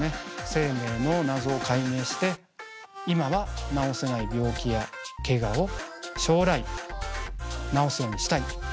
生命の謎を解明して今は治せない病気やけがを将来治すようにしたい。